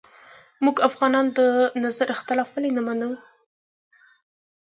موږ افغانان د نظر اختلاف ولې نه منو